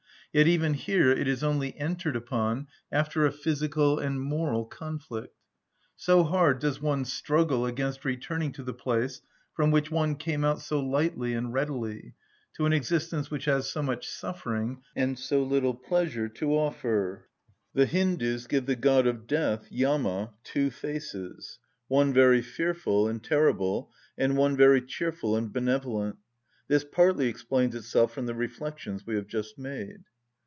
Yet even here it is only entered upon after a physical and moral conflict: so hard does one struggle against returning to the place from which one came out so lightly and readily, to an existence which has so much suffering and so little pleasure to offer. The Hindus give the god of death, Yama, two faces; one very fearful and terrible, and one very cheerful and benevolent. This partly explains itself from the reflections we have just made.